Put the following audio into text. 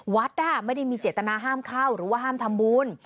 วัดไม่ได้มีเจตนาห้ามเข้าหรือว่าห้ามทำบุญ